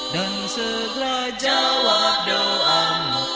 dan segera jawab doamu